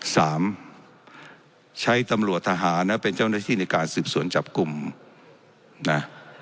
สามใช้ตำรวจทหารนะเป็นเจ้าหน้าที่ในการสืบสวนจับกลุ่มนะ